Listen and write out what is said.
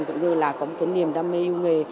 cũng như là có một cái niềm đam mê yêu nghề